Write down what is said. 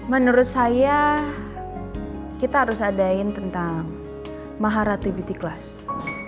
menurut saya kita harus adain tentang maharapi beauty class